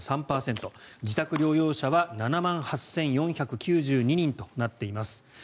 自宅療養者は７万８４９２人となっています。